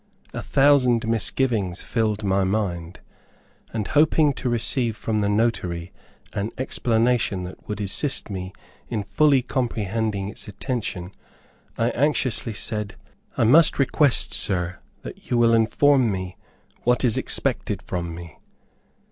A thousand misgivings filled my mind, and hoping to receive from the notary an explanation that would assist me in fully comprehending its intention, I anxiously said, "I must request, sir, that you will inform me what is expected from me.